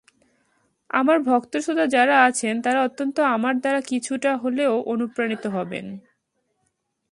আমার ভক্ত-শ্রোতা যাঁরা আছেন, তাঁরা অন্তত আমার দ্বারা কিছুটা হলেও অনুপ্রাণিত হবেন।